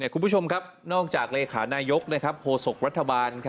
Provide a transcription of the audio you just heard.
คุณผู้ชมครับนอกจากเลขานายกโฆษกรัฐบาล